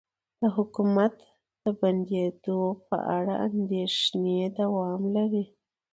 د حکومت د بندیدو په اړه اندیښنې دوام لري